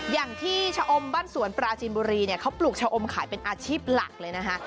อย่างที่ชะอมบ้านสวนปราจีนบุรีเนี่ยเขาปลูกชะอมขายเป็นอาชีพหลักเลยนะคะ